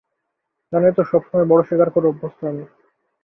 জানোই তো সবসময় বড়ো শিকার করে অভ্যস্থ আমি।